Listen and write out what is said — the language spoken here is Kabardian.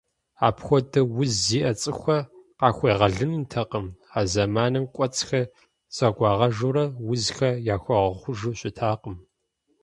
Апхуэдэ уз зиӏэ цӏыхухэр къахуегъэлынутэкъым, а зэманым кӏуэцӏхэр зэгуагъэжурэ узхэр яхуэгъэхъужу щытакъым.